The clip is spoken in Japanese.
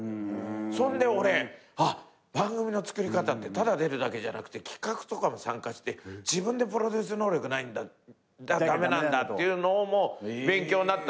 そんで俺番組のつくり方ってただ出るだけじゃなくて企画とかも参加して自分でプロデュース能力なきゃ駄目だっていうのも勉強になったし。